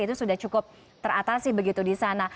itu sudah cukup teratasi begitu di sana